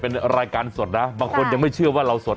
เป็นรายการสดนะบางคนยังไม่เชื่อว่าเราสด